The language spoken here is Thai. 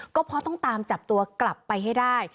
ก็เพราะต้องตามจับตัวกลับไปให้ได้